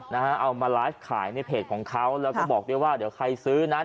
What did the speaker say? นะฮะเอามาในเพจของเขาแล้วก็บอกเรียกว่าเดี๋ยวใครซื้อนา